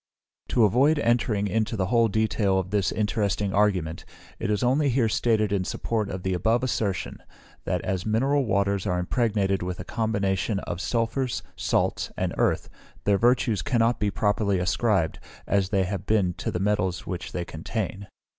To avoid entering into the whole detail of this interesting argument, it is only here stated in support of the above assertion, that as mineral waters are impregnated with a combination of sulphurs, salts, and earth, their virtues cannot be properly ascribed, as they have been, to the metals which they contain.